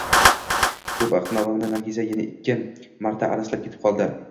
Shu vaqt davomida Nargiza yana ikki marta arazlab ketib qoldi